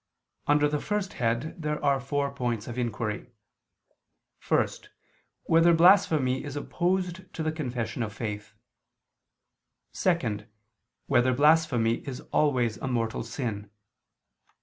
Under the first head there are four points of inquiry: (1) Whether blasphemy is opposed to the confession of faith? (2) Whether blasphemy is always a mortal sin?